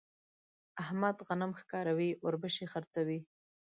احمد غنم ښکاروي ـ اوربشې خرڅوي.